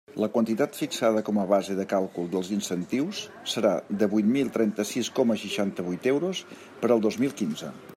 La quantitat fixada com a base de càlcul dels incentius serà de vuit mil trenta-sis coma seixanta-vuit euros per al dos mil quinze.